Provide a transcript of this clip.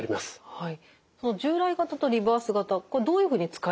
はい。